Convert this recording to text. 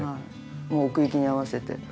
もう奥行きに合わせて。